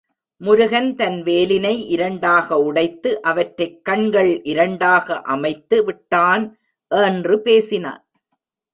முருகன் தன் வேலினை இரண்டாக உடைத்து அவற்றைக் கண்கள் இரண்டாக அமைத்து விட்டான் என்று பேசினான்.